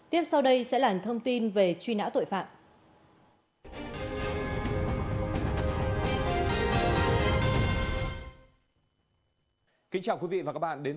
tiếp sau đây sẽ là thông tin về truy nã tội phạm